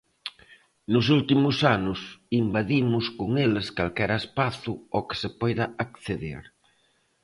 Nos últimos anos invadimos con eles calquera espazo ao que se poida acceder.